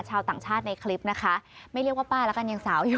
ชาวต่างชาติในคลิปนะคะไม่เรียกว่าป้าแล้วกันยังสาวอยู่